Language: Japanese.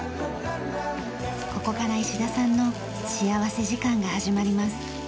ここから石田さんの幸福時間が始まります。